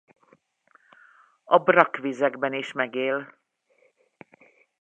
A brakkvizekben is megél.